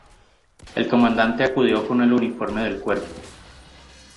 El Comandante acudió con el uniforme del cuerpo.